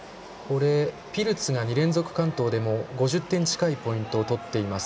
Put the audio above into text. ピルツが２連続完登でもう５０点近いポイントを取っています。